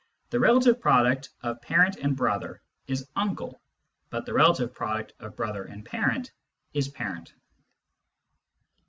the relative product of parent and brother is uncle, but the relative product of brother and parent is parent.